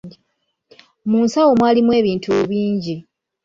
Munsawo mwalimu ebintu bingi.